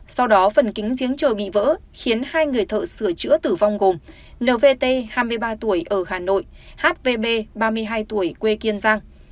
sau đó phần kính giếng trời bị vỡ khiến hai người thợ sửa chữa tử vong gồm nvt hai mươi ba tuổi ở hà nội hvb ba mươi hai tuổi quê kiên giang